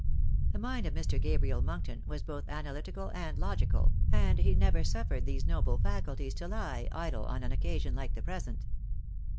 The mind of Mr. Gabriel Monkton was both analytical and logical, and he never suffered these noble faculties to lie idle on an occasion like the present.